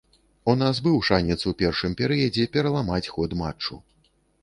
У нас быў шанец у першым перыядзе пераламаць ход матчу.